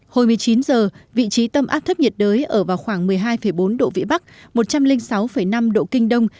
hồi một mươi chín h vị trí tâm áp thấp nhiệt đới ở vào khoảng một mươi hai bốn độ vĩ bắc một trăm linh sáu năm độ kinh đông